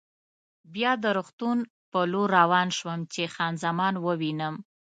بیا د روغتون په لور روان شوم چې خان زمان ووینم.